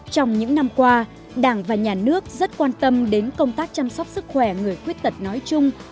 trong những năm qua đảng và nhà nước rất quan tâm đến công tác chăm sóc sức khỏe người khuyết tật nói chung